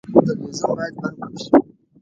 تلویزیون باید بند کړل شي.